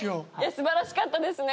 素晴らしかったですね。